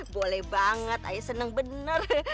boleh banget ayah senang bener